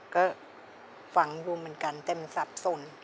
ก็ฟังอยู่เหมือนกันแต่มันสับสน